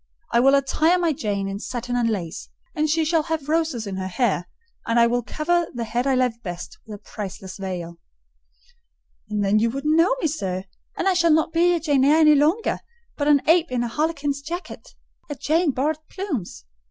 "I will attire my Jane in satin and lace, and she shall have roses in her hair; and I will cover the head I love best with a priceless veil." "And then you won't know me, sir; and I shall not be your Jane Eyre any longer, but an ape in a harlequin's jacket—a jay in borrowed plumes.